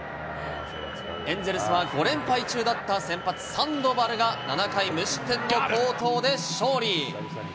エンゼルスは５連敗中だった先発、サンドバルが７回無失点の好投で勝利。